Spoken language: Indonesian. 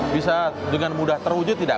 bisa dengan mudah terwujud tidak